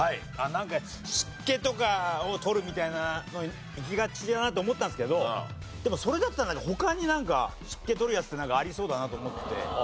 なんか湿気とかを取るみたいなのにいきがちかなと思ったんですけどでもそれだったら他になんか湿気取るやつってなんかありそうだなと思って。